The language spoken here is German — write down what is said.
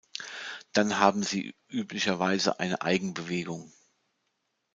Dann haben sie üblicherweise eine Eigenbewegung.